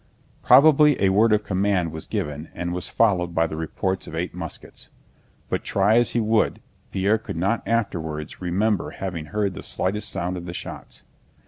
Probably a word of command was given and was followed by the reports of eight muskets; but try as he would Pierre could not afterwards remember having heard the slightest sound of the shots.